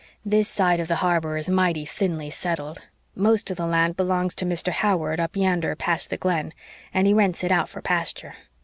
"This side of the harbor is mighty thinly settled. Most of the land belongs to Mr. Howard up yander past the Glen, and he rents it out for pasture.